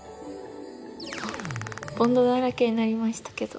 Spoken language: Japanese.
ボンドだらけになりましたけど。